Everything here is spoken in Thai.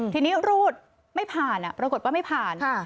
ทีนี้รูดไม่ผ่านปรากฏว่าไม่ผ่าน